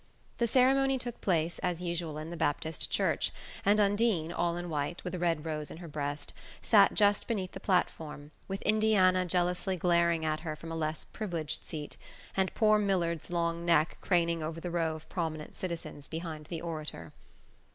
The ceremony took place, as usual, in the Baptist church, and Undine, all in white, with a red rose in her breast, sat just beneath the platform, with Indiana jealously glaring at her from a less privileged seat, and poor Millard's long neck craning over the row of prominent citizens behind the orator.